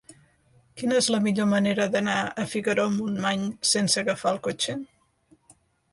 Quina és la millor manera d'anar a Figaró-Montmany sense agafar el cotxe?